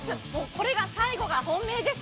これが最後が本命です。